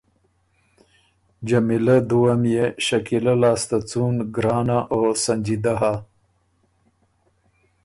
جمیلۀ دُوه ميې شکیلۀ لاسته څُون ګرانه او سنجیدۀ هۀ،